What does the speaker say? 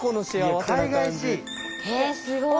へえすごい。